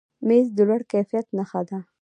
مېز د لوړ کیفیت نښه ده.